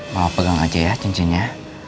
maaf pegang aja ya cincinnya